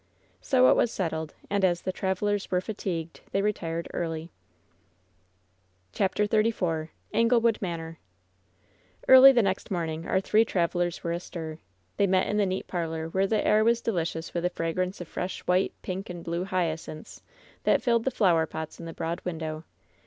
So it was settled, and as the travelers were fatigued, they retired early. CHAPTER XXXIV ANGLEWOOD MANOB Eablt the next morning our three travelers were astir. They met in the neat parlor, where the air was de licious with the fragrance of fresh white, pink and blue hyacinths that filled the flower pots in the broad window.